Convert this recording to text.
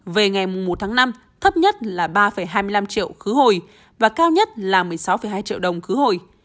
về ngày một tháng năm thấp nhất là ba hai mươi năm triệu khứ hồi và cao nhất là một mươi sáu hai triệu đồng khứ hồi